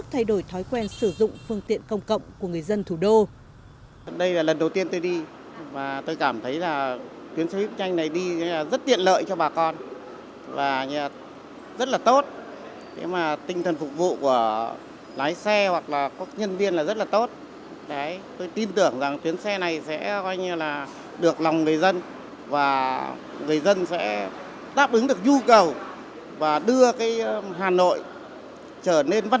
thay đổi thói quen sử dụng phương tiện công cộng của người dân thủ đô